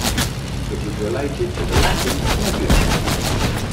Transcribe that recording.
It is related to the Latin "nebula".